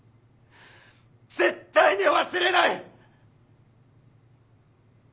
絶対に忘れない！